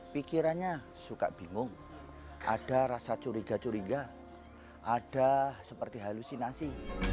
pikirannya suka bingung ada rasa curiga curiga ada seperti halusinasi